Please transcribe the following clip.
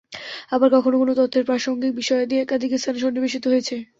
আবার কখনো কোন তথ্যের প্রাসংগিক বিষয়াদি একাধিক স্থানে সন্নিবেশিত হয়েছে।